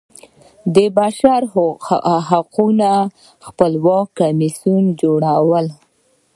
د بشر د حقوقو خپلواک کمیسیون جوړول.